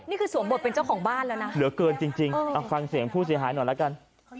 นี่คือส่วนบทเป็นเจ้าของบ้านแล้วนะเหลือเกินจริงจริงเอาฟังเสียงผู้เสียหายหน่อยละกัน